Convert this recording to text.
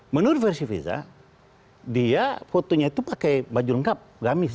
menurut versi viza dia fotonya itu pakai baju lengkap gamis